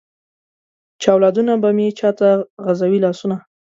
چې اولادونه به مې چاته غزوي لاسونه ؟